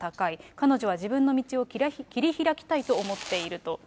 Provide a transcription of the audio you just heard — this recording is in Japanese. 彼女は自分の道を切り開きたいと思っていると。